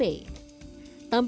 tampil di bnsp